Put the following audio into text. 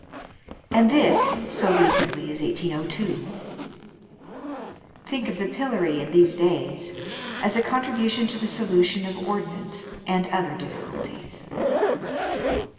And this so recently as 1802. Think of the pillory in these days as a contribution to the solution of ordnance and other difficulties